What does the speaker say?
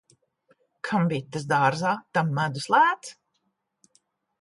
Kam bites dārzā, tam medus lēts.